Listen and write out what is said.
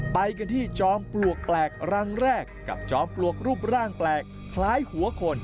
ไปกันที่จอมปลวกแปลกรังแรกกับจอมปลวกรูปร่างแปลกคล้ายหัวคน